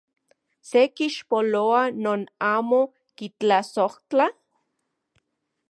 ¿Se kixpoloa non amo kitlasojtla?